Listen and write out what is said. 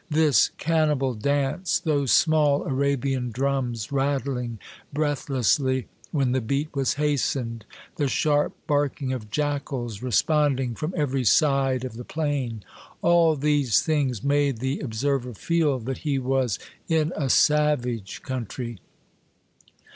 This cannibal dance, those small Arabian drums, rattling breathlessly when the beat was hastened, the sharp barking of jackals responding from every side of the plain, — all these things made the ob server feel that he was in a savage country.